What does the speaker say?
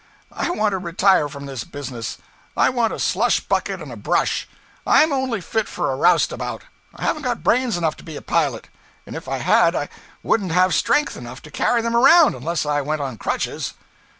I want to retire from this business. I want a slush bucket and a brush; I'm only fit for a roustabout. I haven't got brains enough to be a pilot; and if I had I wouldn't have strength enough to carry them around, unless I went on crutches.'